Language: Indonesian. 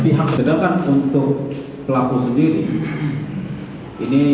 pihak sedangkan untuk pelaku sendiri